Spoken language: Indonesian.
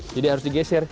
jadi harus digeser